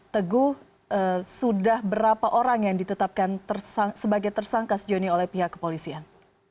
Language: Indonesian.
teguh sudah berapa orang yang ditetapkan sebagai tersangkas joni oleh pihak kepolisian